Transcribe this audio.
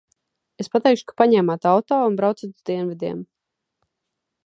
Es pateikšu, ka paņēmāt auto un braucat uz dienvidiem.